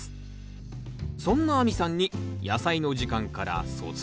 そんな亜美さんに「やさいの時間」から卒業問題です